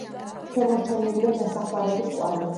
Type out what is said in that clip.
შემორჩენილია ნასახლარების კვალი.